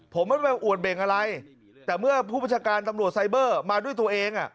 ผมไม่ไปอวดเบ่งอะไรแต่เมื่อผู้ประชาการตำรวจไซเบอร์มาด้วยตัวเอง